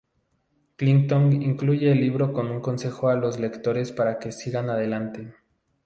Clinton concluye el libro con un consejo a los lectores para que "sigan adelante".